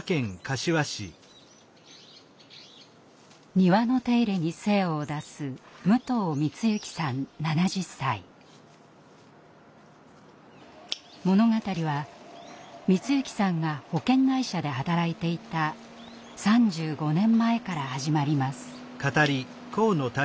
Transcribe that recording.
庭の手入れに精を出す物語は光行さんが保険会社で働いていた３５年前から始まります。